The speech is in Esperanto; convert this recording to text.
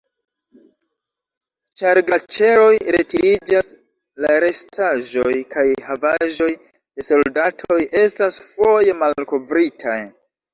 Ĉar glaĉeroj retiriĝas, la restaĵoj kaj havaĵoj de soldatoj estas foje malkovritaj.